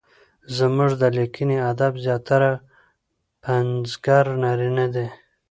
زموږ د ليکني ادب زياتره پنځګر نارينه دي؛